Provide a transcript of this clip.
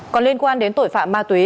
còn liên quan đến tội phạm ma túy